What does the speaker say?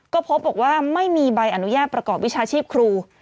ก็พบบอกว่าไม่มีใบอนุญาตประกอบวิชาชีพครู